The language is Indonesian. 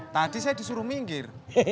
tadi saya disuruh minggir